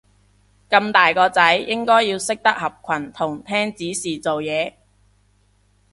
咁大個仔應該要識得合群同聽指示做嘢